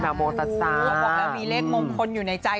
หัวบอกเลยว่ามีเลขมงคลอยู่ในใจ